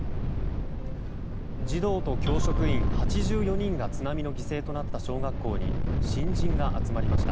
児童と教職員８４人が津波の犠牲になった小学校に新人が集まりました。